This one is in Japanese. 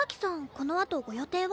このあとご予定は？